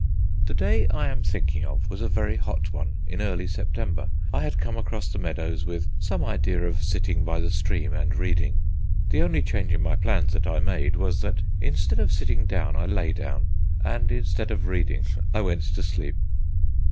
The day I am thinking of was a very hot one in early September. I had come across the meadows with some idea of sitting by the stream and reading. The only change in my plans that I made was that instead of sitting down I lay down, and instead of reading I went to sleep.